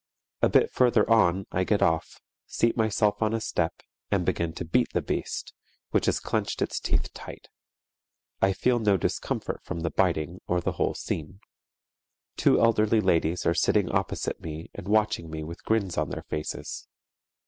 A bit further on I get off, seat myself on a step, and begin to beat the beast, which has clenched its teeth tight._ (I feel no discomfort from the biting or the whole scene.) _Two elderly ladies are sitting opposite me and watching me with grins on their faces.